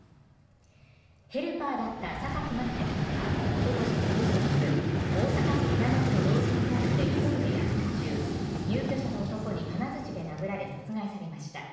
ヘルパーだった榊真希子さんはおととし１１月大阪市平野区の老人ホームで１人で夜勤中入居者の男に金づちで殴られ殺害されました。